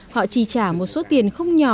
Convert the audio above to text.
họ chỉ trả một số tiền không nhỏ